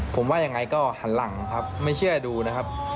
ผมว่ายังไงก็หันหลังครับไม่เชื่อดูนะครับ